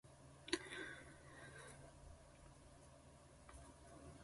今のままではいけないと思っています。だからこそ日本は今のままではいけないと思っている